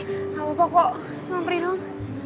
gak apa apa kok semoga berhenti dong